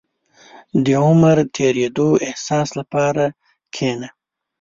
• د عمر د تېرېدو احساس لپاره کښېنه.